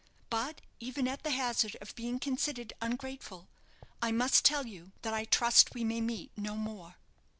But even at the hazard of being considered ungrateful, I must tell you that I trust we may meet no more."